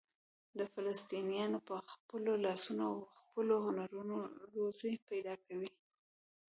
فلسطینیان په خپلو لاسونو او خپلو هنرونو روزي پیدا کوي.